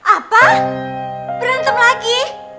apa berantem lagi